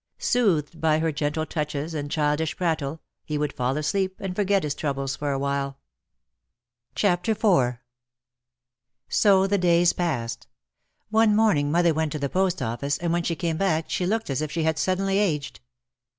Soothed by her gentle touches and childish prattle, he would fall asleep and forget his troubles for a while. 16 OUT OF THE SHADOW IV So the days passed. One morning mother went to the postoffice and when she came back she looked as if she had suddenly aged.